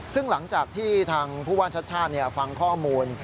ซึ่งหลังจากที่ทางผู้ว่าชาติชาติฟังข้อมูล